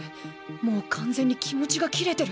もう完全に気持ちが切れてる！